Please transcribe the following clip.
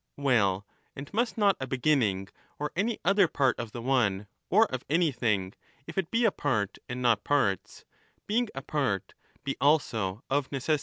Well, and must not a beginning or any other part of the one or of anything, if it be a part and not parts, being a part, be also of necessity one